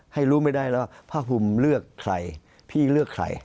ให้รู้ไม่ได้แล้วว่าผ้าภูมิเลือกใครพี่เลือกใคร